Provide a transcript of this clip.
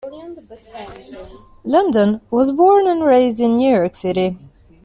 London was born and raised in New York City.